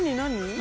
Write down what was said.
何？